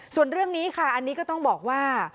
ส่วนเรื่องนี้ค่ะอันนี้ก็ต้องบอกว่า